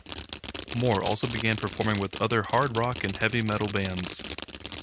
Moore also began performing with other hard rock and heavy metal bands.